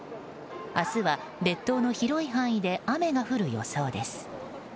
明日は列島の広い範囲で雨が降る予想です。